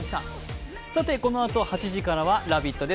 このあと８時からは「ラヴィット！」です。